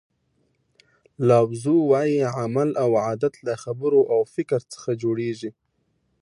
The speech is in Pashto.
لاو زو وایي عمل او عادت له خبرو او فکر څخه جوړیږي.